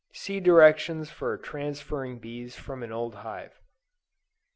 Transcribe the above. (See directions for transferring bees from an old hive.)